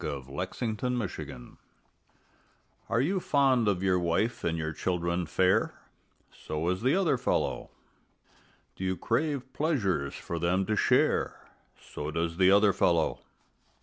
THE OTHER FELLOW Are you fond of your wife and your children fair? So is the other fellow. Do you crave pleasures for them to share? So does the other fellow.